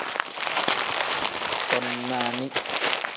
Koni nani.